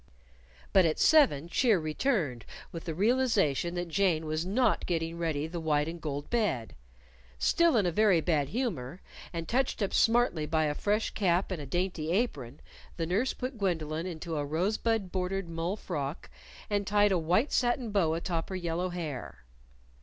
But at seven cheer returned with the realization that Jane was not getting ready the white and gold bed. Still in a very bad humor, and touched up smartly by a fresh cap and a dainty apron, the nurse put Gwendolyn into a rosebud bordered mull frock and tied a white satin bow atop her yellow hair.